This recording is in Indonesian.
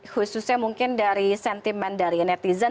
khususnya mungkin dari sentimen dari netizen